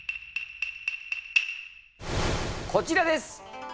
こちらです！